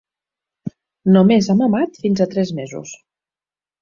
Només ha mamat fins a tres mesos.